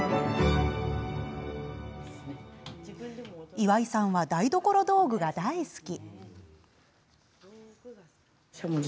岩井さんは台所道具が大好き。